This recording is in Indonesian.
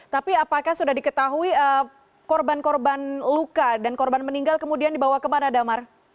tapi apakah sudah diketahui korban korban luka dan korban meninggal kemudian dibawa kemana damar